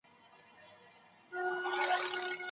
فراخ فکر او حوصله د سپورت سره ډېره وي.